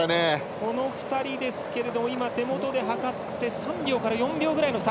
この２人ですけれども手元で３秒から４秒くらいの差。